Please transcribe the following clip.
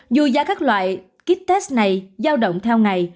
dù giá các loại kit test này giao động theo ngày